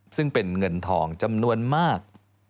ซึ่งเป็นเงินทองจำนวนมาก